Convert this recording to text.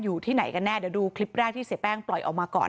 อยู่ที่ไหนกันแน่เดี๋ยวดูคลิปแรกที่เสียแป้งปล่อยออกมาก่อน